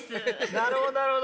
なるほどなるほど。